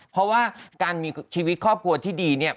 เพราะว่าการมีชีวิตครอบครัวที่ดีเนี่ย